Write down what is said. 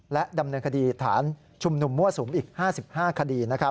และดำเนินคดีฐานชุมนุมมั่วสุมอีก๕๕คดี